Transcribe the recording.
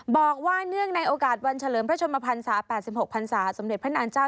เนื่องในโอกาสวันเฉลิมพระชนมพันศา๘๖พันศาสมเด็จพระนางเจ้า